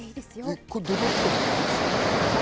どっちからいきます？